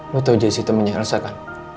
lu tau jessy temennya elsa kan